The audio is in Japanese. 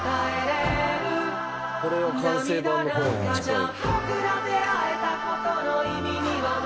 これは完成版の方に近い。